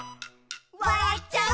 「わらっちゃう」